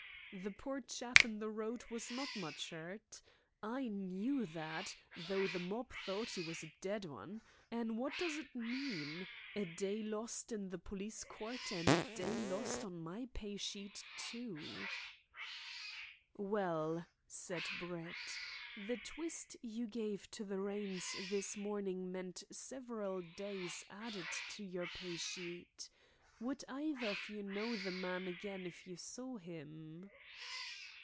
"The poor chap in the road was not much 'urt. I knew that, though the mob thort 'e was a dead 'un. An' wot does it mean? A day lost in the polis court, an' a day lost on my pay sheet, too." "Well," said Brett, "the twist you gave to the reins this morning meant several days added to your pay sheet. Would either of you know the man again if you saw him?"